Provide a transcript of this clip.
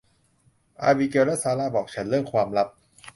อาบิเกลและซาร่าบอกฉันเรื่องความลับ